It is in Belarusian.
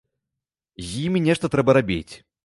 З імі нешта трэба рабіць.